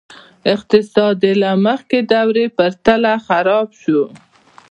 اقتصاد یې له مخکې دورې په پرتله خراب شو.